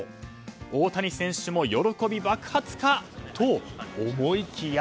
大谷選手も喜び爆発かと思いきや。